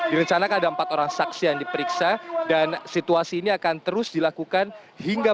direncanakan ada empat orang saksi yang diperiksa dan situasi ini akan terus dilakukan hingga